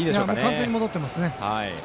完全に戻ってますね。